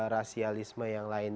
rasialisme yang lain